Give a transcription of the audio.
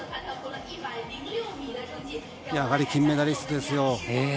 やはり金メダリストですよ。